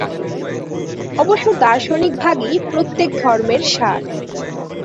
অবশ্য দার্শনিক ভাগই প্রত্যেক ধর্মের সার।